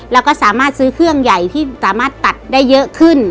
แล้วก็สามารถซื้อเครื่องใหญ่ที่สามารถตัดได้เยอะขึ้น